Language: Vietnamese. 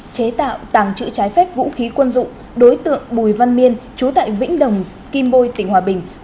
chế tạo tàng trữ trái phép vũ khí quân dụng đối tượng bùi văn miên trú tại vĩnh đồng kim bôi tỉnh hòa bình